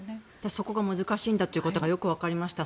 そこが難しいんだということがよくわかりました。